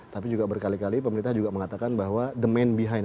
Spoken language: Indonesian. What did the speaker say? tapi juga berkali kali pemerintah juga mengatakan bahwa the main behind